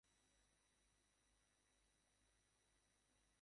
এই তালিকাটি কেবলমাত্র রাশিয়ার এশীয় অংশের।